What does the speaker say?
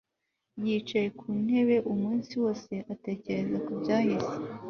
Yicaye ku ntebe umunsi wose atekereza ku byahise